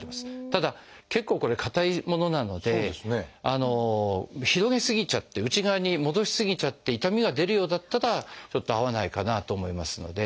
ただ結構これ硬いものなので広げ過ぎちゃって内側に戻し過ぎちゃって痛みが出るようだったらちょっと合わないかなと思いますので。